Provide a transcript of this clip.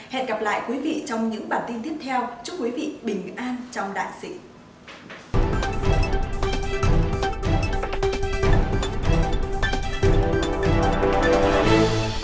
hẹn gặp lại quý vị trong những bản tin tiếp theo chúc quý vị bình an trong đại dịch